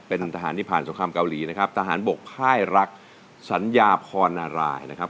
เป็นทหารที่ผ่านสงครามเกาหลีนะครับทหารบกค่ายรักสัญญาพรนารายนะครับ